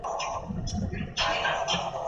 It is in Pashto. که همکاري وي نو ستونزه نه لویږي.